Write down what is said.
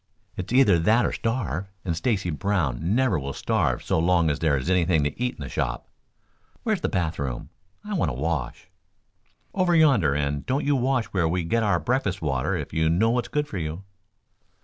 It's either that or starve, and Stacy Brown never will starve so long as there is anything to eat in the shop. Where's the bath room? I want to wash." "Over yonder, and don't you wash where we get our breakfast water if you know what's good for you."